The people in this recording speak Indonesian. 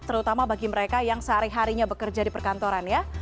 terutama bagi mereka yang sehari harinya bekerja di perkantoran ya